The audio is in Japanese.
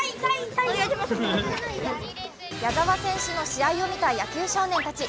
矢澤選手の試合を見た野球少年たち。